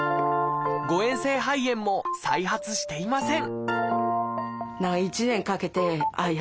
誤えん性肺炎も再発していません